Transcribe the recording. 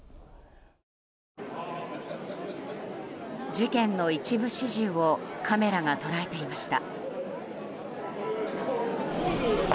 事件の一部始終をカメラが捉えていました。